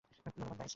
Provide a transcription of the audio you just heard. ধন্যবাদ, গাইজ।